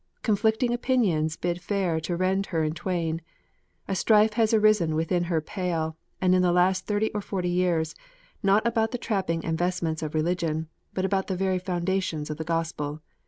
Conflicting opinions bid fair to rend her in twain. A strife has arisen within her pale in the last thirty or forty years, not about the trappings and vestments of religion, but about the very foundations of the Gospel.